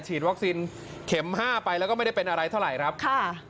วัคซีนเข็มห้าไปแล้วก็ไม่ได้เป็นอะไรเท่าไหร่ครับค่ะ